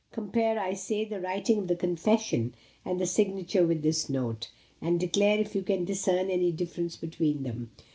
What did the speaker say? Compare, I say, the writing of the confession and the signature with this note, and declare if you can discern any difference between them.